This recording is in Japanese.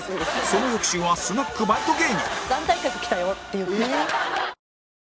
その翌週はスナックバイト芸人